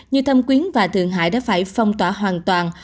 như thâm quyến và thượng hải đã phải phong tỏa hoàn toàn